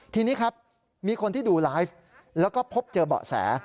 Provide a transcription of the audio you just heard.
ทีนี้ครับมีคนที่ดูไลฟ์แล้วก็พบเจอเบาะแส